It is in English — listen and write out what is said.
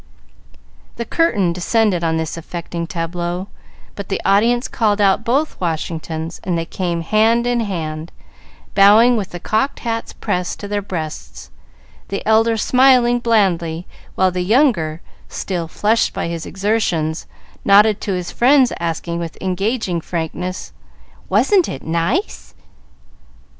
The curtain descended on this affecting tableau; but the audience called out both Washingtons, and they came, hand in hand, bowing with the cocked hats pressed to their breasts, the elder smiling blandly, while the younger, still flushed by his exertions, nodded to his friends, asking, with engaging frankness, "Wasn't it nice?"